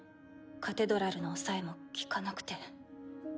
カテドラルの抑えも利かなくて。